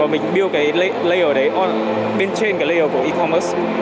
mình build cái layer đấy bên trên layer của e commerce